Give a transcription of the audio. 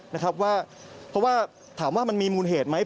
เพราะว่าถามว่ามันมีมูลเหตุไหม